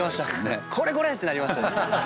これこれ！ってなりましたね。